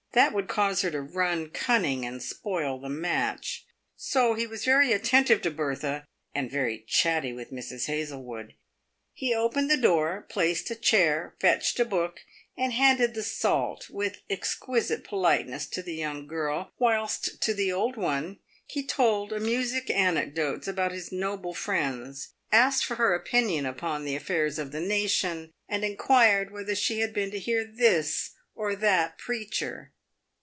" That would cause her to run cunning and spoil the match." So he was very attentive to Bertha, and very chatty with Mrs. Hazlewood. He opened the door, placed a chair, fetched a book, and handed the salt with exquisite politeness to the young girl, whilst to the old one he told amusing anecdotes about his noble friends, asked for her opinion upon the affairs of the nation, and inquired whether she had been to hear this or that preacher.